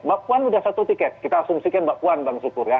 mbak puan sudah satu tiket kita asumsikan mbak puan bang sukur ya